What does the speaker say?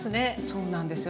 そうなんですよ。